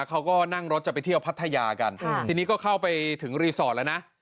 เขาก็นั่งรถจะไปเที่ยวพัทยากันทีนี้ก็เข้าไปถึงรีสอร์ทแล้วนะ